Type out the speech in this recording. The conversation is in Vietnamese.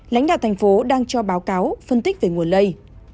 lãnh đạo thành phố đang cho báo cáo phân tích về nguồn lây